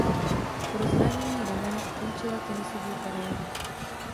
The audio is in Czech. Pro zranění ramene ukončila tenisovou kariéru.